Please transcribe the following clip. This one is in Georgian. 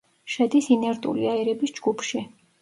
შედის ინერტული აირების ჯგუფში.